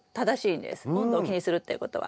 温度を気にするっていうことは。